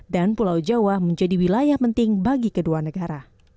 dan pulau jawa menjadi wilayah penting bagi kedua negara